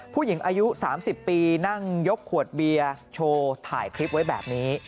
ผู้หญิงอายุ๓๐ปีนั่งยกขวดเบียร์โชว์ถ่ายคลิปไว้แบบนี้